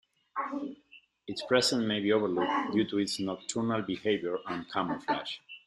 Its presence may be overlooked due to its nocturnal behaviour and camouflage.